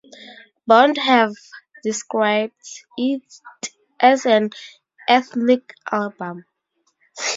Bond have described it as an "ethnic" album.